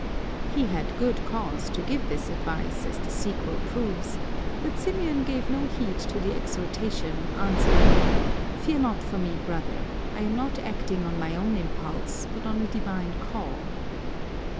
He had good cause to give this advice, as the sequel proves ; but Symeon gave no heed to the exhortation, answering, " Fear not for me, brother ; I am not acting on my own impulse, but on a divine call."